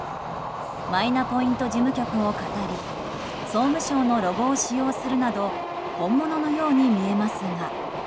マイナポイント事務局をかたり総務省のロゴを使用するなど本物のように見えますが。